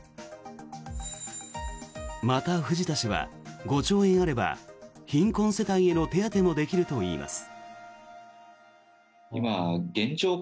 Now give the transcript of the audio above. また藤田氏は５兆円あれば貧困世帯への手当もできるといいます。